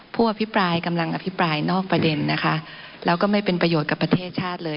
ผู้อภิปรายกำลังอภิปรายนอกประเด็นนะคะแล้วก็ไม่เป็นประโยชน์กับประเทศชาติเลย